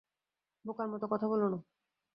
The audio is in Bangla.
বোকার মতো কথা বোলো না।